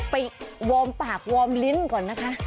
วอร์มปากวอร์มลิ้นก่อนนะคะ